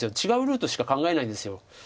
違うルートしか考えないんです。